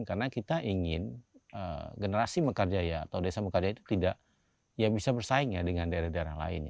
karena kita ingin generasi mekarjaya atau desa mekarjaya itu tidak bisa bersaing dengan daerah daerah lain